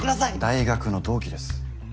大学の同期です。